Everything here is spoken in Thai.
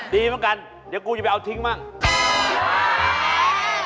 ดีเหมือนกันเดี๋ยวกูจะไปเอาทิ้งบ้าง